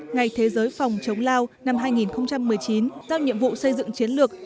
nói tới phòng chống lao năm hai nghìn một mươi chín giao nhiệm vụ xây dựng chiến lược